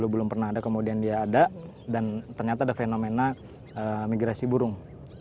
belum pernah ada kemudian dia ada dan ternyata ada fenomena migrasi burung